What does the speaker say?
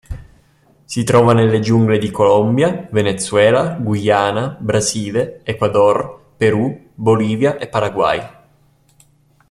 Si trova nelle giungle di Colombia, Venezuela, Guyana, Brasile, Ecuador, Perù, Bolivia e Paraguay.